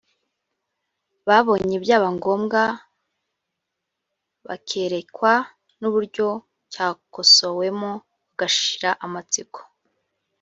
babonye byaba ngombwa bakerekwa n’uburyo cyakosowemo bagashira amatsiko